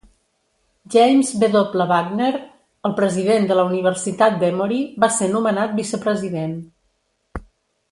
James W. Wagner, el president de la Universitat d'Emory, va ser nomenat vicepresident.